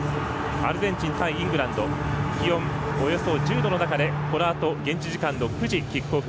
アルゼンチン対イングランド気温およそ１０度の中でこのあと現地時間の９時キックオフ。